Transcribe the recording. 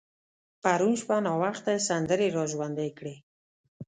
پرون شپه ناوخته يې سندرې را ژوندۍ کړې.